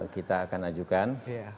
kita akan ajukan